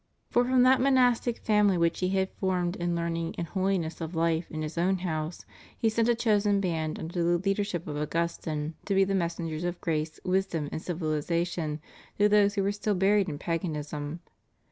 For from that monastic family which he had formed in learning and holiness of life in his own house he sent a chosen band under the leadership of Augustine to be the messengers of grace, wisdom and civil ization to those who were still buried in paganism.